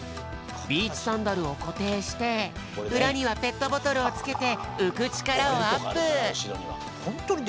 ビーチサンダルをこていしてうらにはペットボトルをつけてうくちからをアップ！